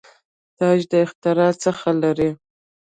تاج له اختر څخه لري.